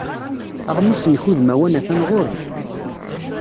Aɣmis-nnek udmawan atan ɣur-i.